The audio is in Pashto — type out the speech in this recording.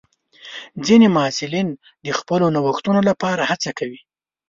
ځینې محصلین د خپلو نوښتونو لپاره هڅه کوي.